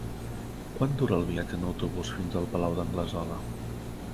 Quant dura el viatge en autobús fins al Palau d'Anglesola?